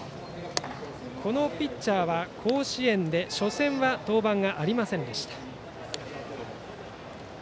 このピッチャーは甲子園の初戦で登板はありませんでした。